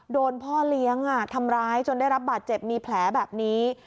โดนพ่อเลี้ยงทำร้ายจนได้รับบาดเจ็บมีแผลแบบนี้